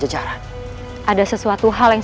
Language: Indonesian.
di jalan yang menuju pajajaran